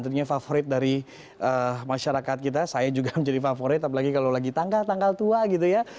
tentunya favorit dari masyarakat kita saya juga menjadi favorit apalagi kalau lagi tanggal tanggal tua gitu ya